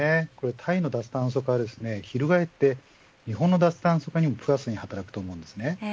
タイの脱炭素化は広がって日本の脱炭素化にもプラスに働きます。